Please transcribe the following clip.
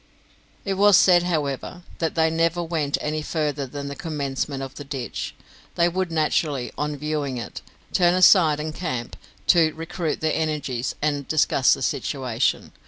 It was said, however, that they never went any further than the commencement of the ditch. They would naturally, on viewing it, turn aside and camp, to recruit their energies and discuss the situation.